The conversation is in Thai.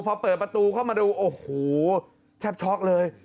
พอเปิดประตูเข้ามาดูโอ้โหแทบช็อกเลย